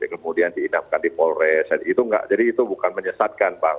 kemudian diinapkan di polres jadi itu bukan menyesatkan bang